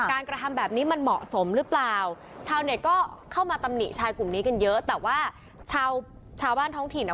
กระทำแบบนี้มันเหมาะสมหรือเปล่าชาวเน็ตก็เข้ามาตำหนิชายกลุ่มนี้กันเยอะแต่ว่าชาวชาวบ้านท้องถิ่นอ่ะ